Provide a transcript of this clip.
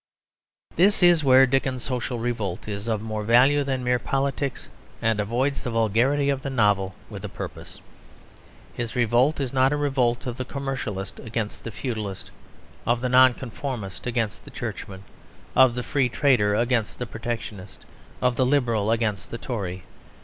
This is where Dickens's social revolt is of more value than mere politics and avoids the vulgarity of the novel with a purpose. His revolt is not a revolt of the commercialist against the feudalist, of the Nonconformist against the Churchman, of the Free trader against the Protectionist, of the Liberal against the Tory.